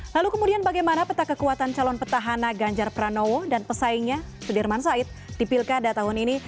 lalu kemudian bagaimana peta kekuatan calon petahana ganjar pranowo dan pesaingnya sudirman said di pilkada tahun ini